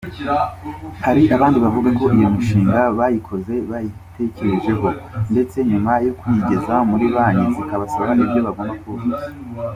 hari abandi bavuga ko iyo mishinga bayikoze bayitekerejeho ndetse nyuma yo kuyigeza muri banki zikabasaba ibyo bagomba kuzuza